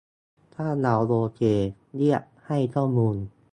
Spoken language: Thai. ถ้าเราโอเค เรียก "ให้ข้อมูล"